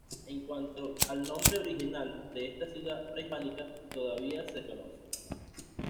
En cuanto al nombre original de esta ciudad prehispánica todavía se desconoce.